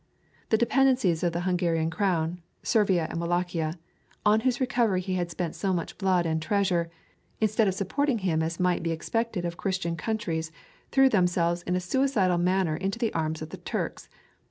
The dependencies of the Hungarian crown, Servia and Wallachia, on whose recovery he had spent so much blood and treasure, instead of supporting him as might be expected of Christian countries threw themselves in a suicidal manner into the arms of the Turks.